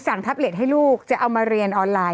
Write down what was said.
แท็บเล็ตให้ลูกจะเอามาเรียนออนไลน์